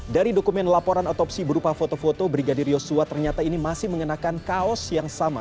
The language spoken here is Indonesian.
dari dokumen laporan otopsi berupa foto foto brigadir yosua ternyata ini masih mengenakan kaos yang sama